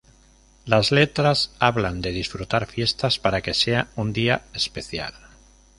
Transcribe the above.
Las letras hablan de disfrutar fiestas para que sea un día especial.